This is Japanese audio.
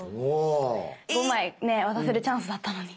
５枚ね渡せるチャンスだったのに。